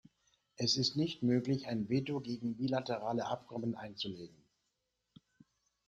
Es ist nicht möglich, ein Veto gegen bilaterale Abkommen einzulegen.